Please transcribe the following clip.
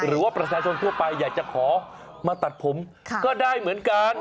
หรือว่าประชาชนทั่วไปอยากจะขอมาตัดผมก็ได้เหมือนกัน